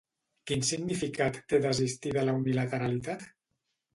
Quin significat té desistir de la unilateralitat?